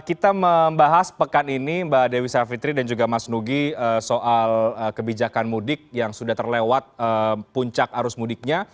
kita membahas pekan ini mbak dewi savitri dan juga mas nugi soal kebijakan mudik yang sudah terlewat puncak arus mudiknya